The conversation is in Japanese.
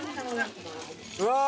うわ！